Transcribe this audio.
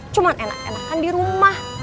cuman enak enakan dirumah